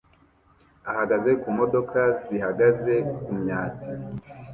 ahagaze kumodoka zihagaze kumyatsi